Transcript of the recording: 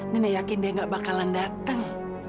nenek yakin dia gak bakalan datang